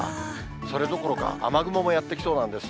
それどころか、雨雲もやって来そうなんです。